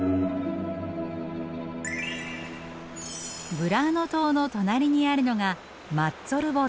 ブラーノ島の隣にあるのがマッツォルボ島。